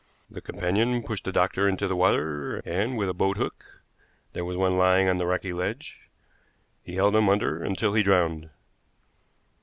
The companion pushed the doctor into the water, and with a boathook there was one lying on the rocky ledge he held him under until he drowned.